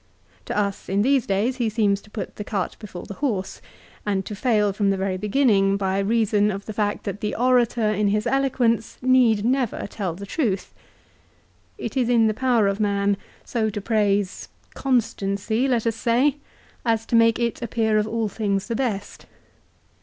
To us, in these days, he seems to put the cart before the horse, and to fail from the very beginning by reason of the fact that the orator in his eloquence need never tell the truth. It is in the power of man so to praise, constancy, let us say, as to make it appear of all things the best.